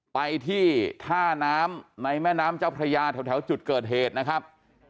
ไปที่ท่าน้ำในแม่น้ำเจ้าพระยาแถวจุดเกิดเหตุนะครับ